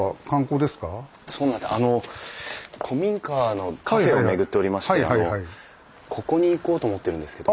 あの古民家のカフェを巡っておりましてここに行こうと思ってるんですけど。